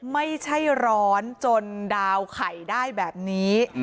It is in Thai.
ไม่ใช่ร้อนจนดาวน์ไข่ได้แบบนี้